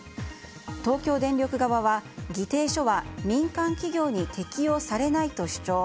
東京電力側は議定書は民間企業に適用されないと主張。